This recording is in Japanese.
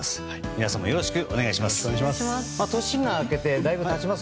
皆さんもよろしくお願いします。